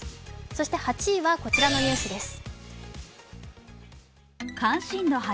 そして８位は、こちらのニュースです。